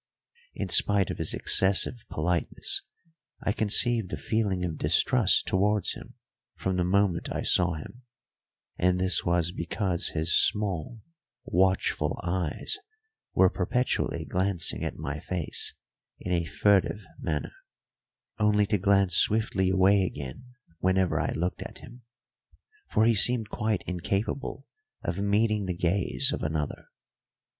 In spite of his excessive politeness I conceived a feeling of distrust towards him from the moment I saw him; and this was because his small, watchful eyes were perpetually glancing at my face in a furtive manner, only to glance swiftly away again whenever I looked at him; for he seemed quite incapable of meeting the gaze of another.